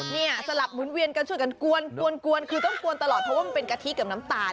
เนี่ยสลับหมุนเวียนกันช่วยกันกวนคือต้องกวนตลอดเพราะว่ามันเป็นกะทิกับน้ำตาล